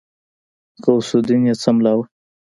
غوث الدين يې څملاوه.